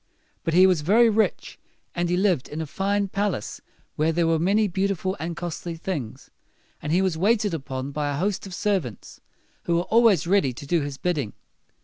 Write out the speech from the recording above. But he was very rich, and he lived in a fine palace where there were many beautiful and costly things, and he was waited upon by a host of servants who were always ready to do his bidding.